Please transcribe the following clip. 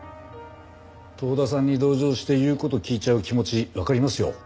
遠田さんに同情して言う事聞いちゃう気持ちわかりますよ。